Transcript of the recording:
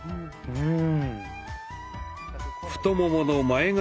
うん。